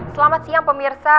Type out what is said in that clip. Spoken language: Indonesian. selamat siang pemirsa